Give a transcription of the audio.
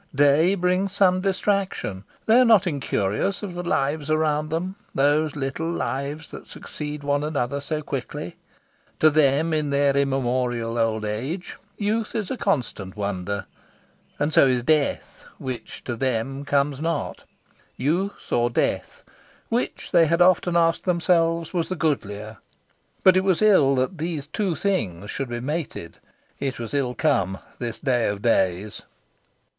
Day brings some distraction. They are not incurious of the lives around them these little lives that succeed one another so quickly. To them, in their immemorial old age, youth is a constant wonder. And so is death, which to them comes not. Youth or death which, they had often asked themselves, was the goodlier? But it was ill that these two things should be mated. It was ill come, this day of days.